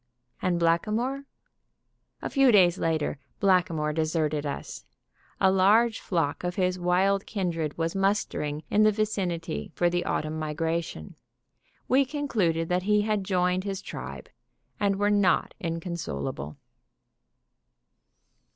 And Blackamoor? A few days later Blackamoor deserted us. A large flock of his wild kindred was mustering in the vicinity for the autumn migration. We concluded that he had joined his tribe and were not inconsolable.